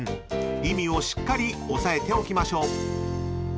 ［意味をしっかり押さえておきましょう］